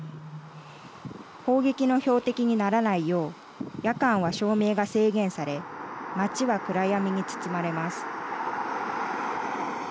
砲撃の標的にならないよう夜間は照明が制限され街は暗闇に包まれます。